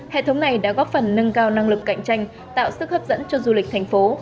hệ thống này đã góp phần nâng cao năng lực cạnh tranh tạo sức hấp dẫn cho du lịch thành phố